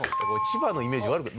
千葉のイメージ悪く。